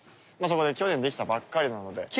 そこね去年できたばっかりなので。